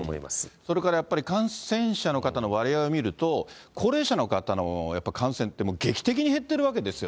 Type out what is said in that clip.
それからやっぱり、感染者の方の割合を見ると、高齢者の方のやっぱり感染って、劇的に減ってるわけですよ。